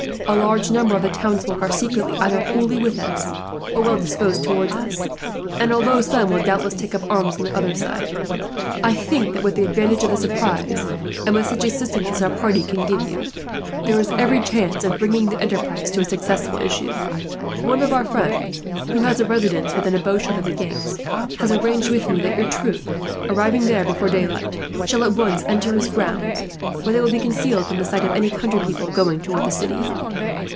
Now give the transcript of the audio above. "A large number of the town folk are secretly either wholly with us or well disposed towards us; and, although some will doubtless take up arms on the other side, I think that, with the advantage of the surprise, and with such assistance as our party can give you, there is every chance of bringing the enterprise to a successful issue. "One of our friends, who has a residence within a bow shot of the gates, has arranged with me that your troop, arriving there before daylight, shall at once enter his grounds, where they will be concealed from the sight of any country people going towards the city.